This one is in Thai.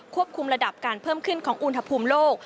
คุมระดับการเพิ่มขึ้นของอุณหภูมิโลก